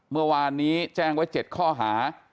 เมื่อวานนี้แจ้งไว้๗ข้อหา